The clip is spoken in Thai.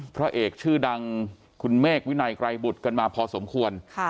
พระเอกชื่อดังคุณเมฆวินัยไกรบุตรกันมาพอสมควร